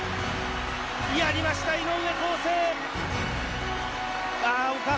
やりました井上康生！